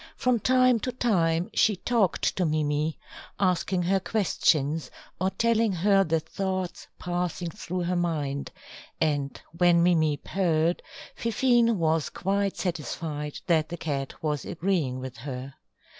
From time to time she talked to Mimi, asking her questions or telling her the thoughts passing through her mind, and when Mimi purred, Fifine was quite satisfied that the cat was agreeing with her.